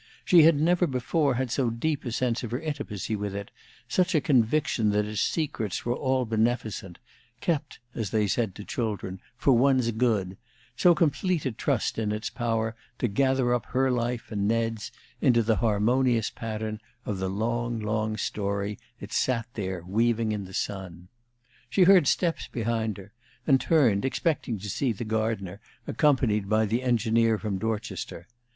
She had never before had so deep a sense of her intimacy with it, such a conviction that its secrets were all beneficent, kept, as they said to children, "for one's good," so complete a trust in its power to gather up her life and Ned's into the harmonious pattern of the long, long story it sat there weaving in the sun. She heard steps behind her, and turned, expecting to see the gardener, accompanied by the engineer from Dorchester.